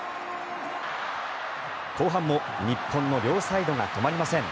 後半も日本の両サイドが止まりません。